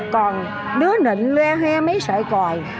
còn đứa nịnh loe hoe mấy sợi còi